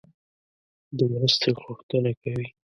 د مرستې غوښتنه کوي.